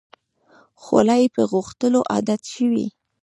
خوله یې په غوښتلو عادت شوې.